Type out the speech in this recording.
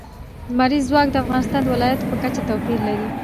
لمریز ځواک د افغانستان د ولایاتو په کچه توپیر لري.